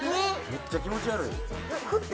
めっちゃ気持ち悪い。